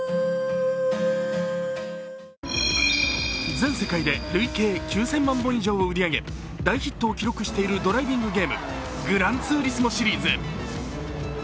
全世界で累計９０００万本以上を売り上げ大ヒットを記録しているドライビングゲーム、「グランツーリスモ」シリーズ。